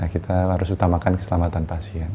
kita harus utamakan keselamatan pasien